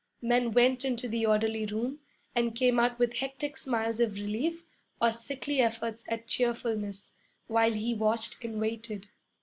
Men went into the orderly room, and came out with hectic smiles of relief or sickly efforts at cheerfulness, while he watched and waited.